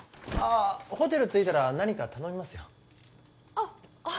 あホテル着いたら何か頼みますよあっああ